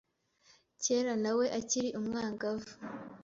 kera nawe akiri umwangavu.